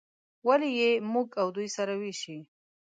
ولې یې په موږ او دوی سره ویشي.